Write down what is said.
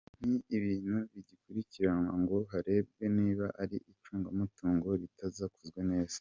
Ni ibintu bigikurikiranwa ngo harebwe niba ari icungamutungo ritarakozwe neza.